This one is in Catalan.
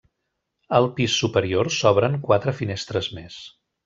Al pis superior s'obren quatre finestres més.